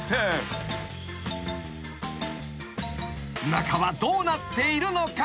［中はどうなっているのか？］